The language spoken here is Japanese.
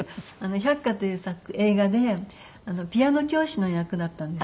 『百花』という映画でピアノ教師の役だったんですね。